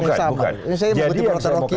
yang sama bukan jadi yang saya mau katakan